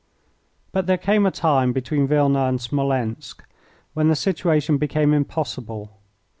But there came a time between Wilna and Smolensk when the situation became impossible.